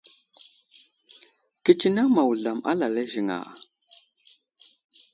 Kətsineŋ ma wuzlam alala ziŋ a ?